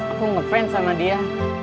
aku ngefans sama dia